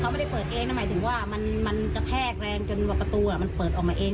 เขาไม่ได้เปิดเองหมายถึงว่ามันกระแทกแรงจนแบบประตูมันเปิดออกมาเอง